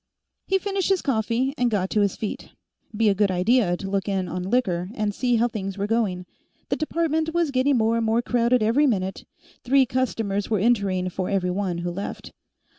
He finished his coffee and got to his feet. Be a good idea to look in on Liquor, and see how things were going. The department was getting more and more crowded every minute; three customers were entering for every one who left.